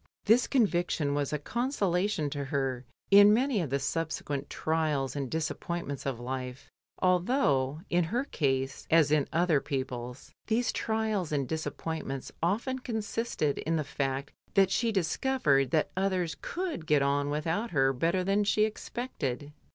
This conviction was a consolation to her in many of the subsequent trials and disappointments of life, al though, in her case (as in other people's), these trials and disappointments often consisted in the fact that she discovered that others could get on without her better than she expected.